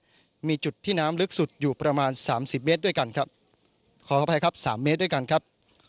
ต่อมามีจุดที่น้ำลึกสุดอยู่ประมาณ๓๐เมตรด้วยกันนะครับ